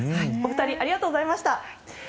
お二人ありがとうございました。